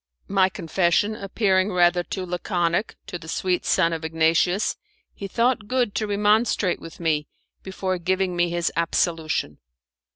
My confession appearing rather too laconic to the sweet son of Ignatius he thought good to remonstrate with me before giving me his absolution.